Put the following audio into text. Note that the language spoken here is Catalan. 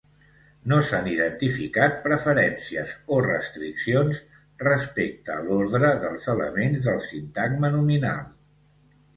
No s'han identificat preferències o restriccions respecte a l'ordre dels elements del sintagma nominal.